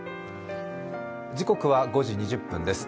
時刻は５時２０分です。